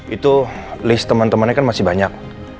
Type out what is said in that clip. itu list temen temennya kan masih banyak